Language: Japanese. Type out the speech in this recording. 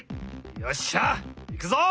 よっしゃいくぞ！